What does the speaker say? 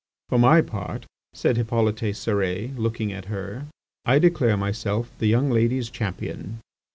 "For my part," said Hippolyte Cérès, looking at her, "I declare myself the young ladies' champion."